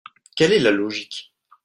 Quelle est la logique?